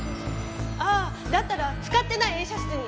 ああだったら使ってない映写室に。